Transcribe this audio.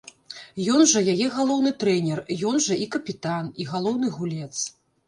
Ён жа яе галоўны трэнер, ён жа і капітан, і галоўны гулец.